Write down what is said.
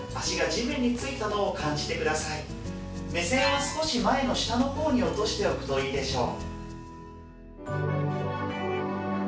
目線は少し前の下の方に落としておくといいでしょう。